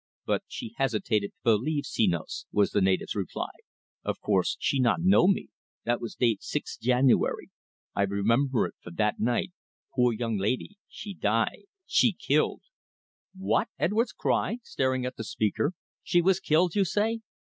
But she hesitated to believe Senos," was the native's reply. "Of course, she not know me. That was date six January. I remember it, for that night, poor young laidee she die. She killed!" "What?" Edwards cried, staring at the speaker. "She was killed, you say?"